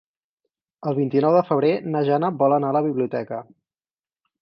El vint-i-nou de febrer na Jana vol anar a la biblioteca.